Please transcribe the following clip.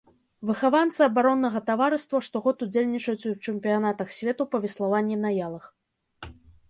Выхаванцы абароннага таварыства штогод удзельнічаюць у чэмпіянатах свету па веславанні на ялах.